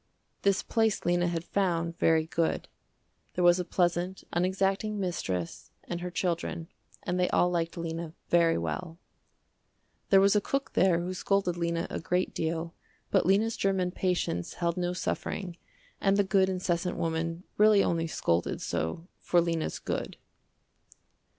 This place Lena had found very good. There was a pleasant, unexacting mistress and her children, and they all liked Lena very well. There was a cook there who scolded Lena a great deal but Lena's german patience held no suffering and the good incessant woman really only scolded so for Lena's good.